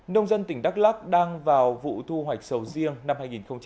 nông dân tỉnh đắk lắk đang vào vụ thu hoạch sầu riêng năm hai nghìn hai mươi ba